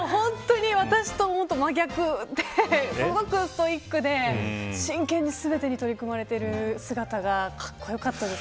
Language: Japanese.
私と真逆ですごくストイックで真剣に取り組まれている姿がかっこよかったです。